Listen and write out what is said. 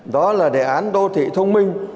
đó là đề án đô thị thông minh